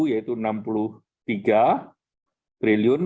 yaitu rp enam puluh tiga triliun